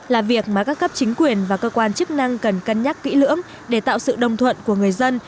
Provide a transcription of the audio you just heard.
là việc mà các cấp chính quyền và cơ quan chức năng cần cân nhắc kỹ lưỡng để tạo sự đồng thuận của người dân